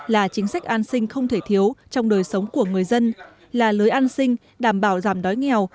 là chính sách an sinh không thể thiếu trong đời sống của người dân là lưới an sinh đảm bảo giảm đói nghèo